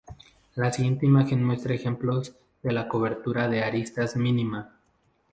La siguiente imagen muestra ejemplos de la cobertura de aristas mínima.